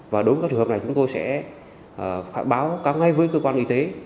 và đối với các trường hợp này chúng tôi sẽ khai báo các ngay với cơ quan y tế